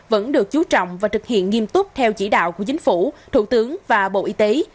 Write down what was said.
vẫn được chú trọng và thực hiện nghiêm túc theo chỉ đạo của chính phủ thủ tướng và bộ y tế